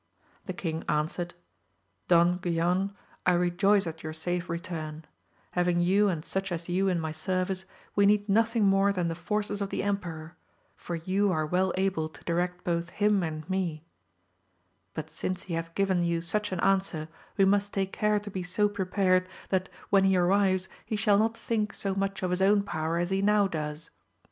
The king answered, Don Guilan I rejoice at your safe return; having you and such as you in my service, we need nothing more than the forces of the emperor, for you are well able to direct both him and me ; but since he hath given you such an answer we must take care to be so pre pared, that when he arrives, he shall not think so much of his own power as he now does.